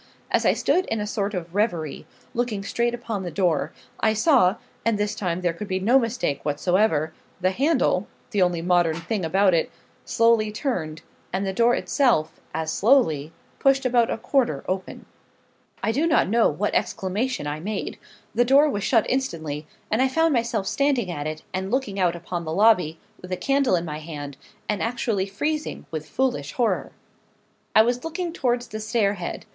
As I stood in a sort of reverie, looking straight upon the door, I saw and this time there could be no mistake whatsoever the handle the only modern thing about it slowly turned, and the door itself as slowly pushed about a quarter open. I do not know what exclamation I made. The door was shut instantly, and I found myself standing at it, and looking out upon the lobby, with a candle in my hand, and actually freezing with foolish horror. I was looking towards the stair head.